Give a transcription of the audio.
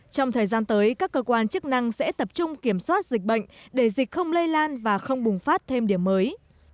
trong thời gian tới các cơ quan chức năng sẽ tập trung kiểm soát dịch bệnh để dịch không lây lan và không bùng phát thêm điểm mới